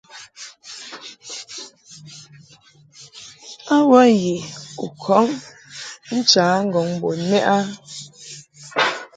A wə yi u kɔŋ ncha ŋgɔŋ bun mɛʼ a?